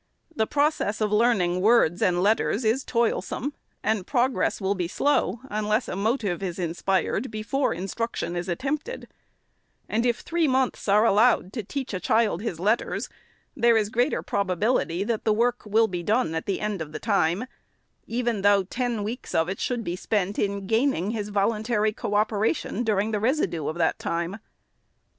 The process of learning words and letters is toilsome, and progress will be slow, unless a motive is inspired before instruction is at tempted ; and if three months are allowed to teach a child his letters, there is greater probability, that the work will be done at the end of the time, even though ten weeks of it should be spent in gaining his voluntary co operation during the residue of the time.